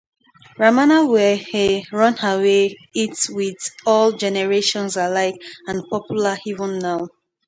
Ramana were a runaway hit with all generations alike and popular even now.